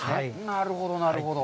なるほど、なるほど。